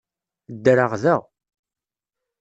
Ddreɣ da.